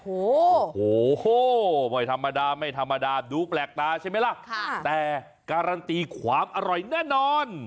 โอ้โหไม่ธรรมดาไม่ธรรมดาดูแปลกตาใช่ไหมล่ะแต่การันตีความอร่อยแน่นอน